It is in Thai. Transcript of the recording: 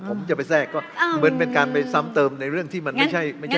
ผมจะไปแทรกก็เหมือนเป็นการไปซ้ำเติมในเรื่องที่มันไม่ใช่ไม่ใช่